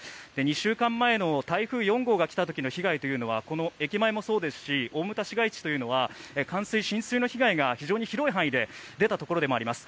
２週間前の台風４号が来た時の被害というのは駅前もそうですし大牟田市街地というのは冠水、浸水の被害が非常に広い範囲で出たところでもあります。